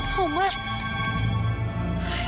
kamu sudah mau sama k tien